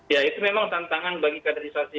ya itu memang tantangan bagi kaderisasi